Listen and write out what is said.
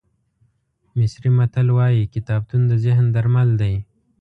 مصري متل وایي کتابتون د ذهن درمل دی.